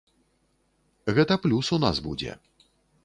Гэта плюс у нас будзе.